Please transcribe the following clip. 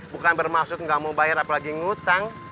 bukan bermaksud nggak mau bayar apalagi ngutang